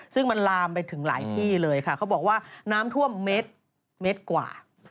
ซึ่งมันลามไปถึงหลายที่เลยค่ะเขาบอกว่าน้ำท่วมเมตรกว่า